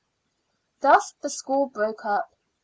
Thus the school broke up.